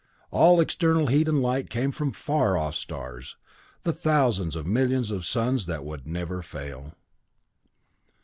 All external heat and light came from far off stars, the thousands of millions of suns that would never fail.